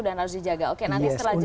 dan harus dijaga oke nanti setelah jadinya